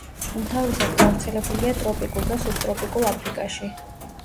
უმთავრესად გავრცელებულია ტროპიკულ და სუბტროპიკულ აფრიკაში.